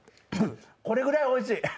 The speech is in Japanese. これぐらいおいしい。